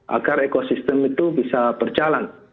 agar ekosistem itu bisa berjalan